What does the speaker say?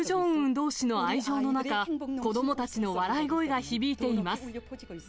同志の愛情の中、子どもたちの笑い声が響いています。